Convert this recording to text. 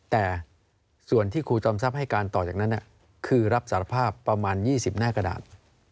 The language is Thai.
แต่ส่วนที่ครูจอมทรัพย์ให้การต่อจากนั้นคือรับสารภาพประมาณ๒๐หน้ากระดาษ